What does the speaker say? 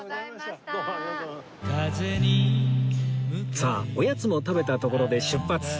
さあおやつも食べたところで出発！